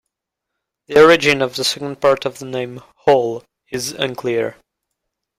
The origin of the second part of the name, "Hall", is unclear.